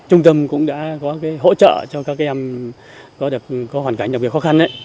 trung tâm cũng đã có hỗ trợ cho các em có hoàn cảnh đặc biệt khó khăn